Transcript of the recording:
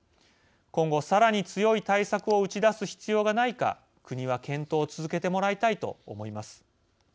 今後さらに強い対策を打ち出す必要がないか国は検討を続けてもらいたいと思います。